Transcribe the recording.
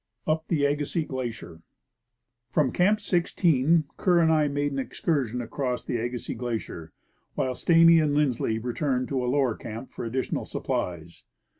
• Up the Agassiz Glacier. From Camp 16 Kerr and I made an excursion across the Agassiz glacier, while Stamy and Lindsley returned to a lower camp for additional supplies.